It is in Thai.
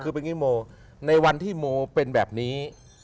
คือเป็นอย่างนี้โมในวันที่โมเป็นแบบนี้